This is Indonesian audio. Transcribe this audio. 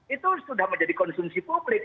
itu sudah menjadi konsumsi publik